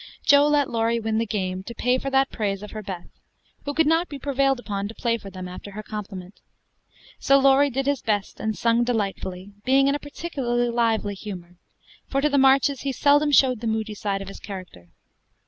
Jo let Laurie win the game, to pay for that praise of her Beth, who could not be prevailed upon to play for them after her compliment. So Laurie did his best and sung delightfully, being in a particularly lively humor, for to the Marches he seldom showed the moody side of his character.